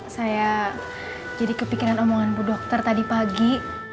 saya jadi kepikiran omongan bu dokter tadi pagi